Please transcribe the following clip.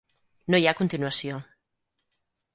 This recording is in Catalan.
No hi ha continuació.